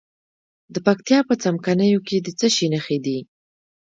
د پکتیا په څمکنیو کې د څه شي نښې دي؟